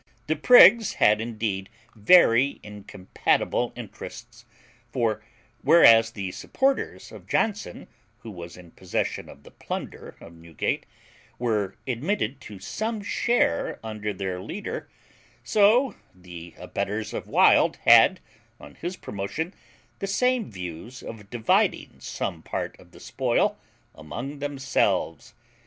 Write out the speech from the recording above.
The prigs had indeed very incompatible interests; for, whereas the supporters of Johnson, who was in possession of the plunder of Newgate, were admitted to some share under their leader, so the abettors of Wild had, on his promotion, the same views of dividing some part of the spoil among themselves.